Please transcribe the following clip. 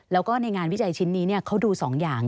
แล้วก็ในงานวิจัยชิ้นนี้เขาดู๒อย่าง